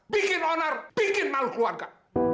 bikin onar bikin malu keluarga